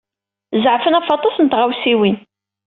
Zeɛfen ɣef aṭas n tɣawsiwin.